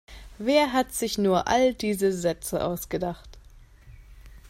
Wer hat sich nur all diese Sätze ausgedacht?